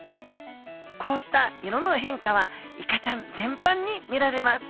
こうした色の変化はイカちゃんぜんぱんに見られます。